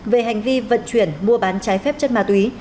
về hành vi vận chuyển mua bán trái phép chất ma túy